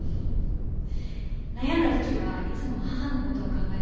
悩んだ時はいつも母の事を考えます。